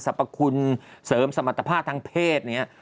สรรพคุณเสริมสมรรถภาพทางเพศเนี่ย